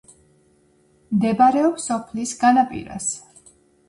მდებარეობს სოფლის განაპირას.